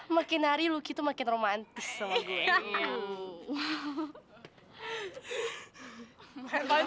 makin hari luki tuh makin romantis sama gue